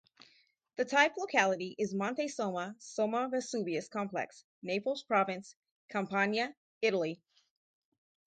The type locality is Monte Somma, Somma-Vesuvius Complex, Naples Province, Campania, Italy.